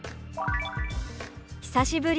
「久しぶり」。